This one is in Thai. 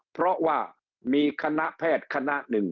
เพราะว่ามีคณะแพทย์คณะหนึ่ง